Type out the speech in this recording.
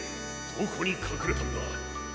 どこにかくれたんだ。